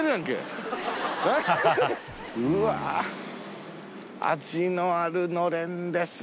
うわ味のあるのれんですね。